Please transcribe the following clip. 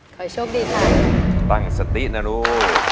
ขอโชคดีค่ะตังสตินรู